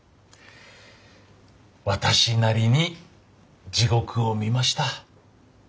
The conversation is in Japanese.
私なりに地獄を見ました。